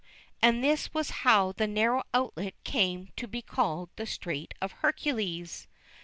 And this was how the narrow outlet came to be called the Strait of Hercules.